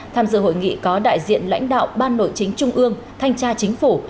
tham dự hội nghị có đại diện lãnh đạo ban nội chính trung ương thanh tra chính phủ